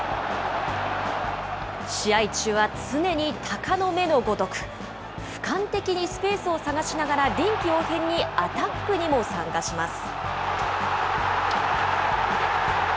試合中は常にタカの目のごとく、ふかん的にスペースを探しながら、臨機応変にアタックにも参加します。